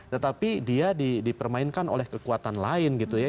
tetapi dia dipermainkan oleh kekuatan lain gitu ya